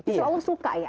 jadi allah suka ya